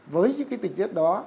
với những cái tình tiết đó